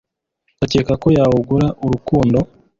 akeka ko yawugura urukundo